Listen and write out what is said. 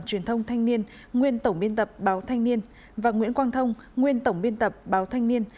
truyền thông thanh niên nguyên tổng biên tập báo thanh niên và nguyễn quang thông nguyên tổng biên tập báo thanh niên